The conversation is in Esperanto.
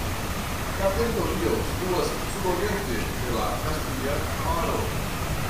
La teritorio situas sudoriente de la Kaspia Maro.